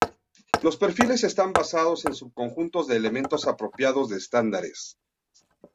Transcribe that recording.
Los perfiles están basados en subconjuntos de elementos apropiados de estándares.